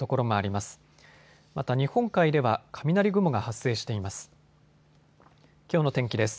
また日本海では雷雲が発生しています。